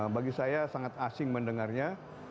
bagi saya sangat asing mendengarnya